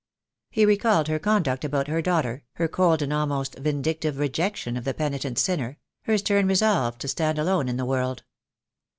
He recalled her conduct about her daughter, her cold and almost vindictive rejection of the penitent sinner; her stern resolve to stand alone in the world.